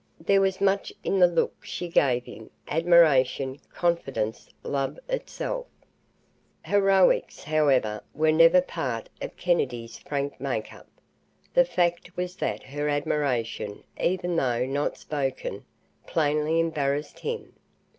There was much in the look she gave him admiration, confidence, love itself. Heroics, however, were never part of Kennedy's frank make up. The fact was that her admiration, even though not spoken, plainly embarrassed him.